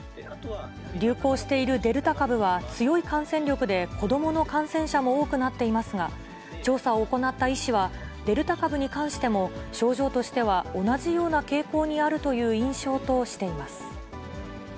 流行しているデルタ株は強い感染力で、子どもの感染者も多くなっていますが、調査を行った医師は、デルタ株に関しても、症状としては同じような傾向にあるという印象だとしています。